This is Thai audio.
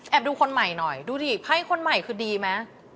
ดูคนใหม่หน่อยดูดิไพ่คนใหม่คือดีไหม